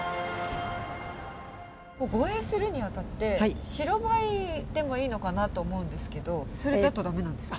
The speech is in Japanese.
護衛するにあたって、白バイでもいいのかなと思うんですけど、それだとだめなんですか。